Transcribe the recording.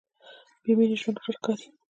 بېمینې ژوند خړ ښکاري.